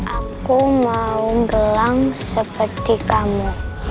aku mau gelang seperti kamu